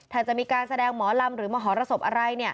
ถ้าจะมีการแสดงหมอลำหรือมหรสบอะไร